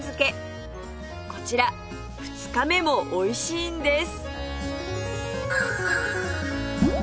こちら二日目もおいしいんです！